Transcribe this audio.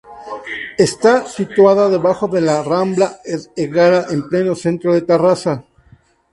Está situada debajo de la rambla Egara en pleno centro de Tarrasa.